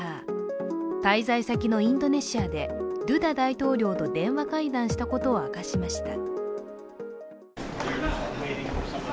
滞在先のインドネシアでドゥ大統領と電話会談したことを明かしました。